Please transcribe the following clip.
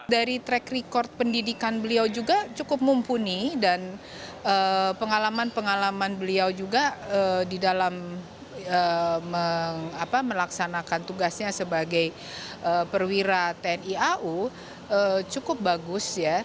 dari track record pendidikan beliau juga cukup mumpuni dan pengalaman pengalaman beliau juga di dalam melaksanakan tugasnya sebagai perwira tni au cukup bagus ya